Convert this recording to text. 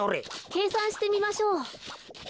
けいさんしてみましょう。